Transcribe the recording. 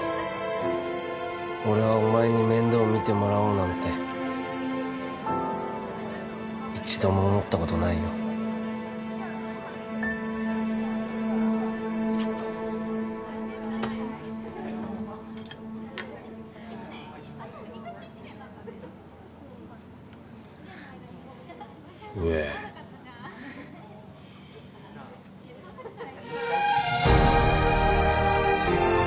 俺はお前に面倒見てもらおうなんて一度も思ったことないようえおっうまいねぇ。お！